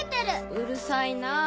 うるさいなぁ。